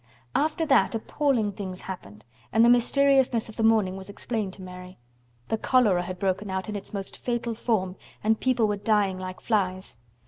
After that appalling things happened, and the mysteriousness of the morning was explained to Mary. The cholera had broken out in its most fatal form and people were dying like flies.